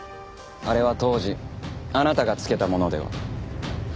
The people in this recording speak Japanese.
あれは当時あなたが付けたものでは？